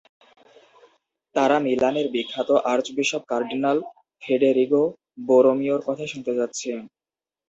তারা মিলানের বিখ্যাত আর্চবিশপ কার্ডিনাল ফেডেরিগো বোরোমিওর কথা শুনতে যাচ্ছে।